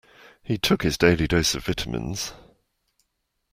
He took his daily dose of vitamins.